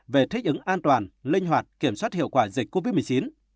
về thích ứng an toàn linh hoạt kiểm soát hiệu quả dịch covid một mươi chín